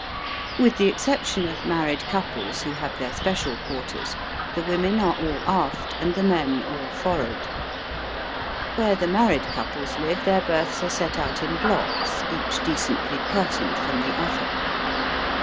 With the exception of married couples, who have their special quarters, the women are all aft and the men all forward. Where the married couples Uve their berths are set out in blocks, each decently curtained from the other.